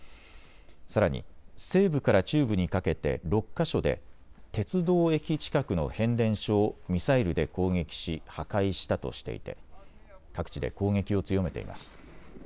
さらに西部から中部にかけて６か所で鉄道駅近くの変電所をミサイルで攻撃し破壊したとしていて各地で攻撃を強めています。